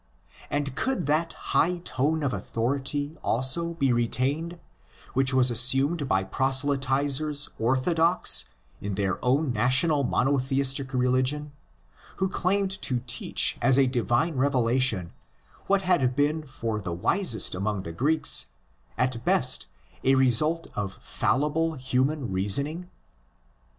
And could that high tone of authority also be retained which was assumed by proselytisers orthodox in their own national monotheistic religion, who claimed to teach as a divine revelation what had been for the wisest among the Greeks at best a result of fallible human reasoning